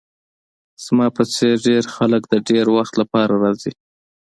زما په څیر ډیر خلک د ډیر وخت لپاره راځي